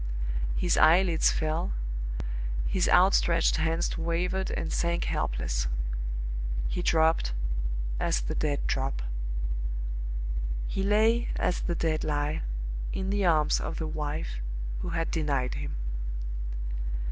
His eyelids fell, his outstretched hands wavered and sank helpless. He dropped, as the dead drop. He lay as the dead lie, in the arms of the wife who had denied him.